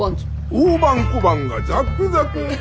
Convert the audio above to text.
大判小判がザックザク！